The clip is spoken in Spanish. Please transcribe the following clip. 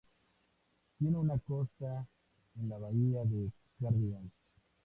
Tiene una costa an la Bahía de Cardigan.